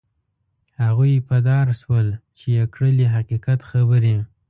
هغوی په دار شول چې یې کړلې حقیقت خبرې.